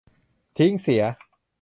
ทิ้งเสีย